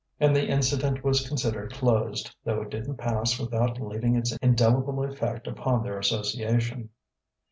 And the incident was considered closed, though it didn't pass without leaving its indelible effect upon their association.